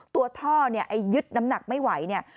ตัวท่อเนี่ยไอ้ยึดน้ำหนักไม่ไหวเนี่ย